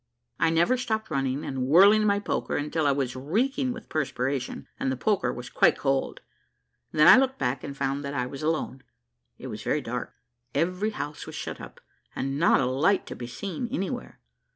I never stopped running and whirling my poker until I was reeking with perspiration, and the poker was quite cold. Then I looked back, and found that I was alone. It was very dark; every house was shut up, and not a light to be seen anywhere.